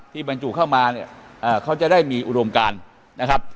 ที่บรรจุเข้ามาเขาจะได้มีอุดมการนะครับ